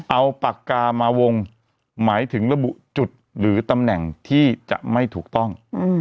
เอาปากกามาวงหมายถึงระบุจุดหรือตำแหน่งที่จะไม่ถูกต้อง